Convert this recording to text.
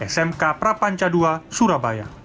smk prapanca ii surabaya